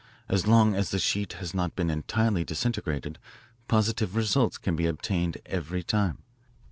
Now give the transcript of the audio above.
As long as the sheet has not been entirely disintegrated positive results can be obtained every time.